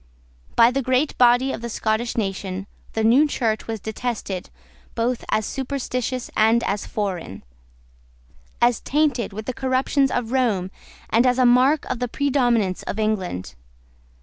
By the great body of the Scottish nation the new Church was detested both as superstitious and as foreign; as tainted with the corruptions of Rome, and as a mark of the predominance of England.